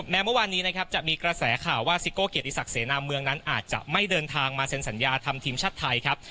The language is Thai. แม้เมื่อวานนี้นะครับจะมีกระแสข่าวว่าซิโก้เกียรติศักดิเสนาเมืองนั้นอาจจะไม่เดินทางมาเซ็นสัญญาทำทีมชาติไทยครับ